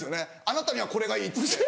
あなたにはこれがいいっつって。